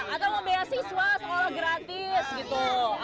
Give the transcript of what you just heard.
atau mau beasiswa sekolah gratis gitu